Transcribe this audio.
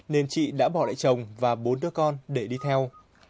nên chị đã bỏ lại chồng và bốn đứa con để đi theo